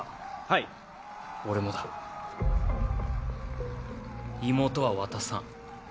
はい俺もだ妹は渡さん